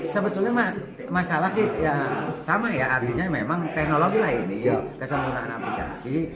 sebetulnya masalahnya sama ya artinya memang teknologi lah ini kesempatan aplikasi